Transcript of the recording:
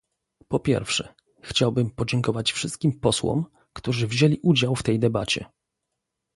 Po pierwsze, chciałbym podziękować wszystkim posłom, którzy wzięli udział w tej debacie